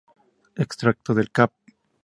Extracto del Cap.